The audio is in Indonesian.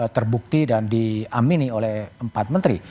terbukti dan di amini oleh empat menteri